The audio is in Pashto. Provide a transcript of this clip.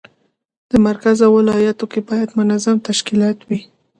په مرکز او ولایاتو کې باید منظم تشکیلات وي.